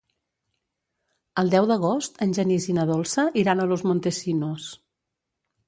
El deu d'agost en Genís i na Dolça iran a Los Montesinos.